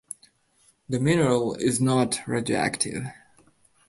The mineral is not radioactive.